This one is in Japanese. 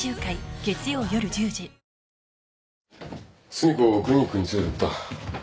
寿美子をクリニックに連れてった。